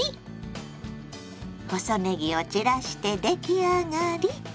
細ねぎを散らして出来上がり。